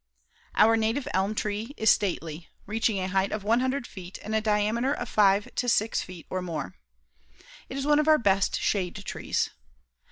Our native elm tree is stately, reaching a height of 100 feet and a diameter of 5 to 6 feet or more. It is one of our best shade trees.